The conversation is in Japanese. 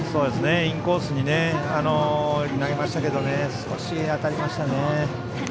インコースに投げましたけど少し当たりましたね。